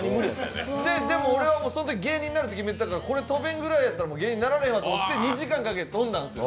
でも、俺はそのときに芸人になるって決めてたけど、これ飛べへんかったらもう芸人になられへんわと思って２時間かけて飛んだんですよ。